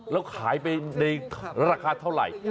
แล้วขายไปในราคาเท่าไหร่